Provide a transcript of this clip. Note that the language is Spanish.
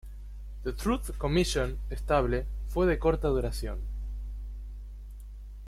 The Truth Commission estable fue de corta duración;.